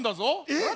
えっ！